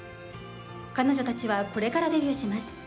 彼女たちはこれからデビューします。